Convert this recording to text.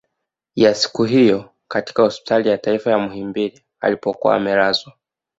Ya siku hiyo katika hospitali ya taifa Muhimbili alikokuwa amelazwa